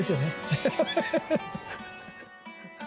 アハハハハ！